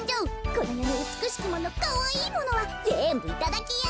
このよのうつくしきものかわいいものはぜんぶいただきよ！